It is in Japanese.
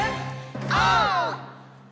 オー！